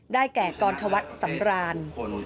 ได้แก่กรทวัฒน์สำราญ